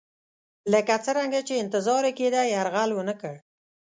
لکه څرنګه چې انتظار یې کېدی یرغل ونه کړ.